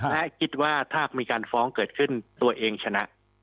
และคิดว่าถ้ามีการฟ้องเกิดขึ้นตัวเองชนะ